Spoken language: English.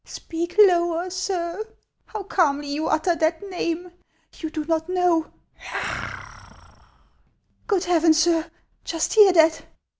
" Speak lower, sir ! How calmly you utter that name ! You do not know — Good Heavens, sir! just hear that